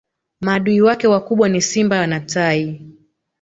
maadui wake wakubwa ni simba na tai